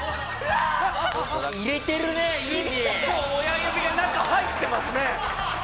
親指が中入ってますね。